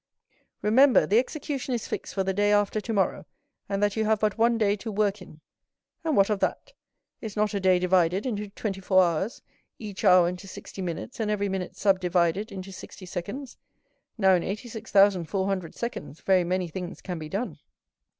"Remember, the execution is fixed for the day after tomorrow, and that you have but one day to work in." "And what of that? Is not a day divided into twenty four hours, each hour into sixty minutes, and every minute sub divided into sixty seconds? Now in 86,400 seconds very many things can be done."